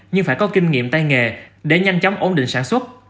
nhưng phải có kinh nghiệm tay nghề để nhanh chóng ổn định sản xuất